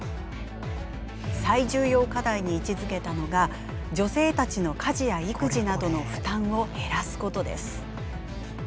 最重要課題に位置づけたのが女性たちの家事や育児などの負担を減らすことです。